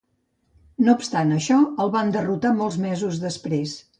No obstant això, el van derrotar molts mesos després.